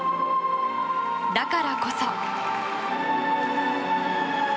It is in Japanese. だからこそ。